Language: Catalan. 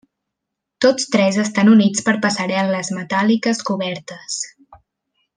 Tots tres estan units per passarel·les metàl·liques cobertes.